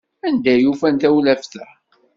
Anda ay ufan tawlaft-a?